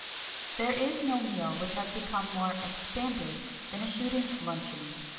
There is no meal which has become more "expanded" than a shooting luncheon.